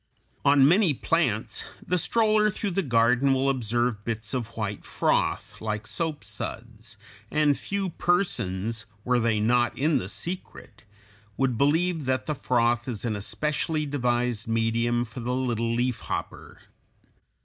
] On many plants the stroller through the garden will observe bits of white froth, like soap suds, and few persons, were they not in the secret, would believe that the froth is an especially devised medium for the little leaf hopper (Fig.